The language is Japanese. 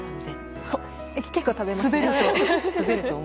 結構、食べますね。